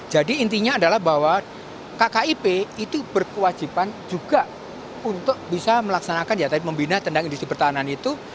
jadi intinya adalah bahwa kkip itu berkewajiban juga untuk bisa melaksanakan ya tadi membina tendang industri pertahanan itu